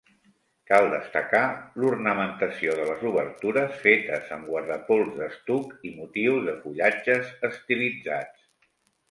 Cal destacar l'ornamentació de les obertures fetes amb guardapols d'estuc i motius de fullatges estilitzats.